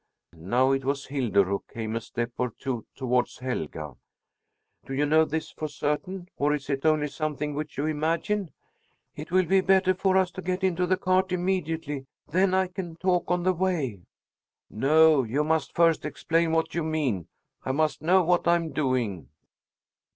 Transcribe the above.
Now it was Hildur who came a step or two towards Helga. "Do you know this for certain, or is it only something which you imagine?" "It will be better for us to get into the cart immediately; then I can talk on the way." "No, you must first explain what you mean; I must know what I'm doing."